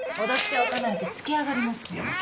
脅しておかないとつけあがりますよ。